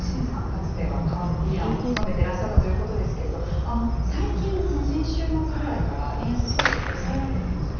かつては為替ディーラーも務めていらっしゃったということですけれど最近先週末ぐらいから円安少し抑えられています。